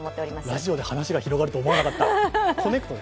ラジオで話が広がると思わなかった。